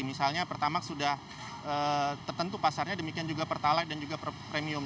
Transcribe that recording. misalnya pertamak sudah tertentu pasarnya demikian juga pertalite dan juga premium